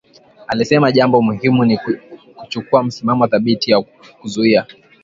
Alisema jambo muhimu ni kuchukua msimamo thabiti na kuzuia